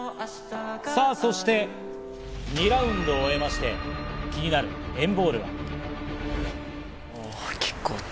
さぁ、そして２ラウンドを終えまして、気になる＆ＢＡＬＬは。